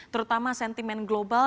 terutama sentimen global